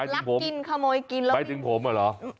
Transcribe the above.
หมายถึงผมอะเหรอ